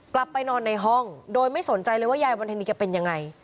กลับไปนอนในห้องโดยไม่สนใจเลยว่ายายวันธนีแกเป็นยังไง